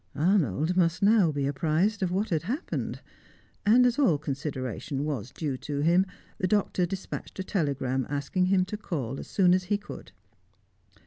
Arnold must now be apprised of what had happened, and, as all consideration was due to him, the Doctor despatched a telegram asking him to call as soon as he could.